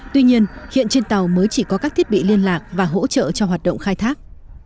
tuy nhiên hiện trên tàu mới chỉ có các thiết bị liên lạc và hỗ trợ cho hoạt động khai thác